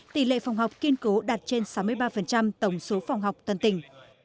tỷ lệ phòng học kiên cố đạt trên sáu mươi ba tổng số phòng học toàn tỉnh